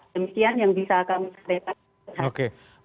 demikian yang bisa kami sampaikan